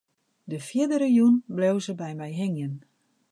De fierdere jûn bleau se by my hingjen.